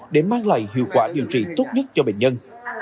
để mang lại hiệu quả điều trị tốt nhất cho bệnh nhân